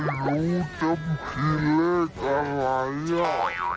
ไม่รู้จำพี่เลขอะไร